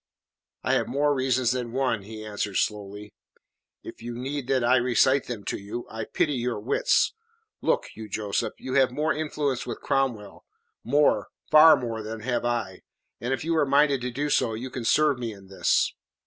"I have more reasons than one," he answered slowly. "If you need that I recite them to you, I pity your wits. Look you, Joseph, you have more influence with Cromwell; more far more than have I, and if you are minded to do so, you can serve me in this."